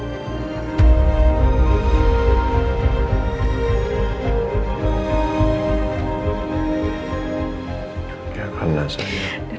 gak pernah sayang